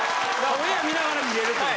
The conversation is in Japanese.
オンエア見ながら見れるという。